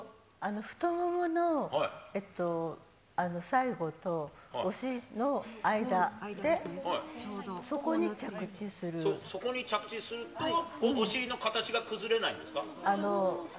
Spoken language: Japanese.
太ももの最後とお尻の間で、そこに着地するとお尻の形が崩れないんですか？